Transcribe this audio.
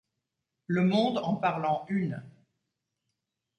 Le Monde en parle en Une.